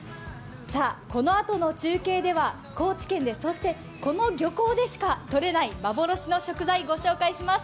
このあとの中継では高知県で、そしてこの漁港でしかとれない幻の食材、ご紹介します。